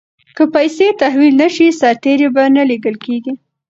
که پیسې تحویل نه شي سرتیري به نه لیږل کیږي.